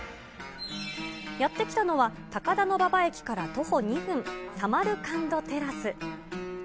やって来たのは、高田馬場駅から徒歩２分、サマルカンドテラス。